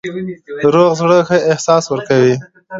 روغ زړه ښه احساس ورکوي.